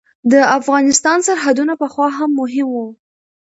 د افغانستان سرحدونه پخوا هم مهم وو.